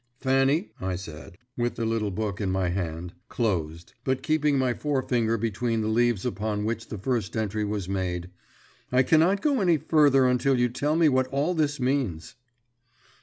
"Fanny," I said, with the little book in my hand, closed, but keeping my forefinger between the leaves upon which the first entry was made, "I cannot go any farther until you tell me what all this means."